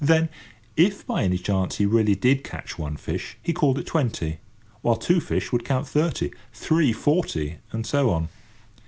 Then, if by any chance he really did catch one fish, he called it twenty, while two fish would count thirty, three forty, and so on.